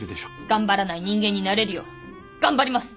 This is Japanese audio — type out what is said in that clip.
頑張らない人間になれるよう頑張ります！